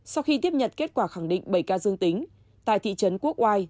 sau khi tiếp nhận kết quả khẳng định bảy ca dương tính tại thị trấn quốc oai